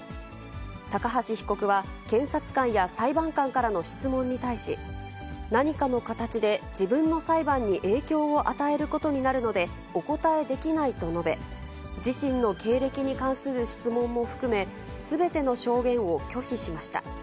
高橋被告は検察官や裁判官からの質問に対し、何かの形で自分の裁判に影響を与えることになるので、お答えできないと述べ、自身の経歴に関する質問も含め、すべての証言を拒否しました。